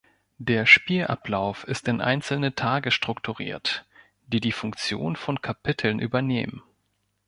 Der Spielablauf ist in einzelne Tage strukturiert, die die Funktion von Kapiteln übernehmen.